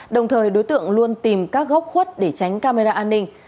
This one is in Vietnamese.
đồng thời đối tượng luôn tìm các góc khuất để tránh camera an ninh